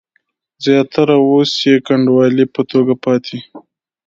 زیاتره اوس یې کنډوالې په توګه پاتې دي.